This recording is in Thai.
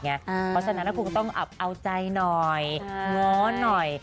เพราะฉะนั้นคุณก็ต้องอับเอาใจหน่อยง้อหน่อย